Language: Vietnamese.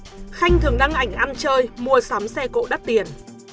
và khanh thường đăng ảnh ăn chơi mua xám xe cộ đắt tiền